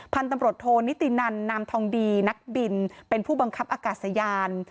พันธุ์ตำรวจโทนิตินันนามทองดีนักบินเป็นผู้บังคับอากาศยาน